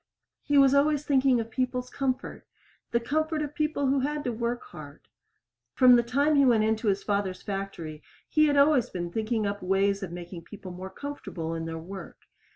He was always thinking of people's comfort the comfort of people who had to work hard. From the time he went into his father's factory he had always been thinking up ways of making people more comfortable in their work.